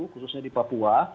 khususnya di papua